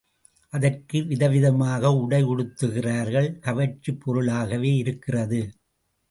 அதற்கு விதவிதமாக உடை உடுத்துகிறார்கள் கவர்ச்சிப் பொருளாகவே இருக்கிறது.